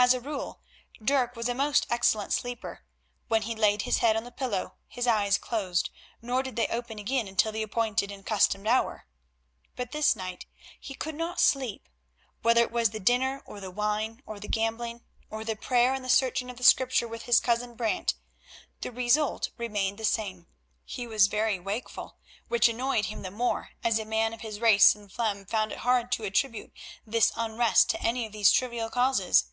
As a rule Dirk was a most excellent sleeper; when he laid his head on the pillow his eyes closed nor did they open again until the appointed and accustomed hour. But this night he could not sleep. Whether it was the dinner or the wine, or the gambling, or the prayer and the searching of the Scriptures with his cousin Brant, the result remained the same; he was very wakeful, which annoyed him the more as a man of his race and phlegm found it hard to attribute this unrest to any of these trivial causes.